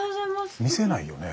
見せないよね。